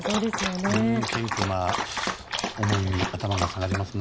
謙虚な思いに頭が下がりますね。